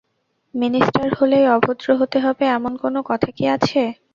Minister হলেই অভদ্র হতে হবে এমন কোনো কথা কি আছে?